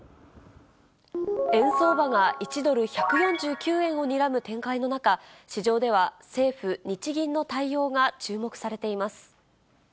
円相場が１ドル１４９円をにらむ展開の中、市場では政府・日銀の対応が注目されています。